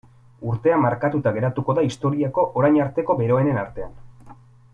Urtea markatuta geratuko da historiako orain arteko beroenen artean.